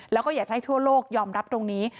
แล้วก็อยากจะให้ทั่วโลกยอมรับตรงนี้